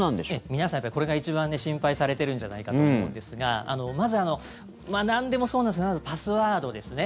皆さん、これが一番心配されてるんじゃないかと思うんですがまず、なんでもそうなんですがパスワードですね。